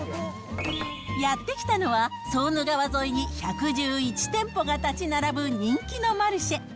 やって来たのはソーヌ川沿いに１１１店舗が建ち並ぶ人気のマルシェ。